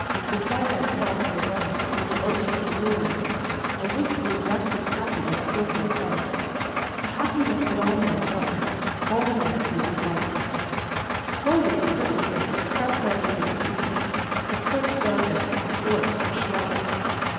As the twilight fell for a moment over ocean and moorland, a wistful, restless happiness filled my heart, the happiness that all men know all men who have loved. Slowly the purple mist crept out over the sea; the cliffs darkened; the forest was shrouded.